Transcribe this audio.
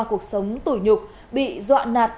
cuộc sống tủi nhục bị dọa nạt